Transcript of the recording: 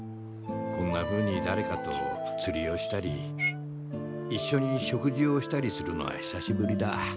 こんなふうにだれかと釣りをしたりいっしょに食事をしたりするのは久しぶりだ。